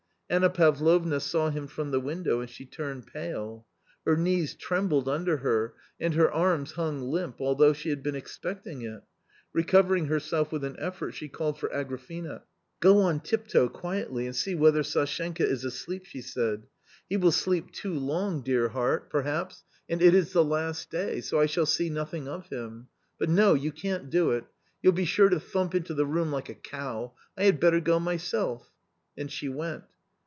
Anna Pavlovna saw him from the window, and she turned pale. Her knees trem bled under her, and her arms hung limp, although she had been expecting it. Recovering herself with an effort, she called for Agrafena. " Go on tiptoe, quietly, and see whether Sashenka is asleep," she said. " He will sleep too long, dear heart, 6 A COMMON STORY pei haps, and it is the last day ; so I shall see nothing of him. But no ! you can't do it. You'll be sure to thump into the room like a cow. I had better go myself/' And she went.